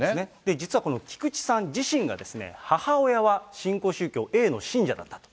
実はこの菊池さん自身がですね、母親は新興宗教Ａの信者だったと。